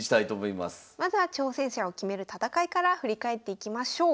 まずは挑戦者を決める戦いから振り返っていきましょう。